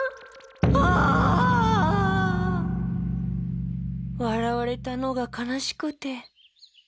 あ！わらわれたのがかなしくて。